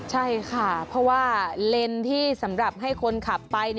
ใช่ค่ะเพราะว่าเลนส์ที่สำหรับให้คนขับไป